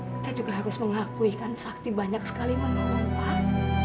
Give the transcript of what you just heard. kita juga harus mengakui kan sakti banyak sekali menompang